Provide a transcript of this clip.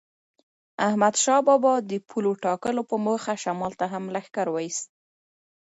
احمدشاه بابا د پولو ټاکلو په موخه شمال ته هم لښکر وایست.